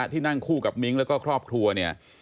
ที่นั่งคู่กับมิ้งแล้วก็ครอบครัวเนี่ย